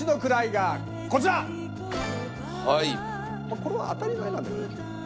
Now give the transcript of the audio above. これは当たり前なんだけどね。